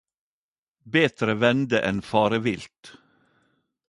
Betre vende enn fare vilt